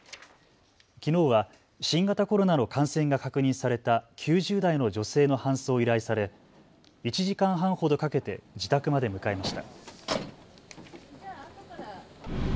きのうは新型コロナの感染が確認された９０代の女性の搬送を依頼され１時間半ほどかけて自宅まで向かいました。